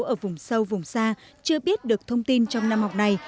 ở vùng sâu vùng xa chưa biết được thông tin trong năm học này